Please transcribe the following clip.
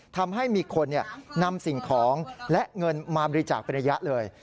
ทำให้มีคนนำสิ่งของและเงินมาบริจาคเป็นระยะเลย